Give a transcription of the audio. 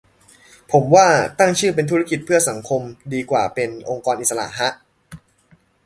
ผมว่าตั้งชื่อเป็น ธุรกิจเพื่อสังคม ดีกว่าเป็น องค์กรอิสระ ฮะ